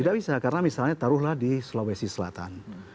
tidak bisa karena misalnya taruhlah di sulawesi selatan